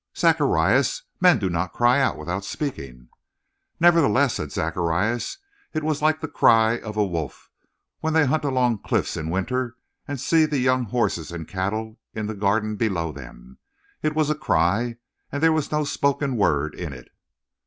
"Zacharias, men do not cry out without speaking." "Nevertheless," said Zacharias, "it was like the cry of a wolf when they hunt along the cliffs in winter and see the young horses and the cattle in the Garden below them. It was a cry, and there was no spoken word in it."